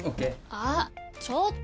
あっ！